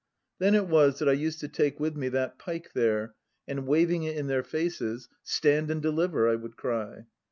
Then it was that I used to take with me that pike there and waving it in their faces, "Stand and deliver!" I would cry.